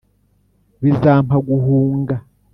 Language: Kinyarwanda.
Bizampa guhunga